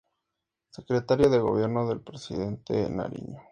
Secretario de Gobierno del presidente Nariño.